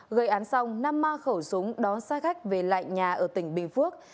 gây án xong nam ma khẩu súng đón xa khách về lại nhà ở tỉnh bình phước